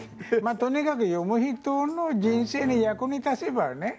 とにかく読む人の人生に役に立てばね。